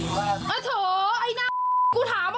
ไน่ทิ้งที่ไหน